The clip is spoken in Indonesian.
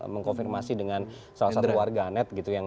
mengkonfirmasi dengan salah satu warga net gitu